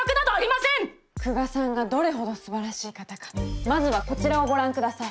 久我さんがどれほどすばらしい方かまずはこちらをご覧下さい。